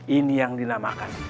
ini yang dinamakan